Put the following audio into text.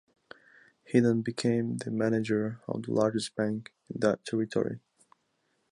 He then became the manager of the largest bank in that territory.